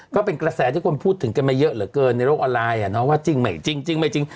ก็เป็นกระแสที่คนพูดถึงกันไม่เยอะเหลือเกินในโรคอลลายว่าจริงไหมจริง